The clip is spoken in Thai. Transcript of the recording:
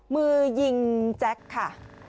มือยิงแจ็คค่ะ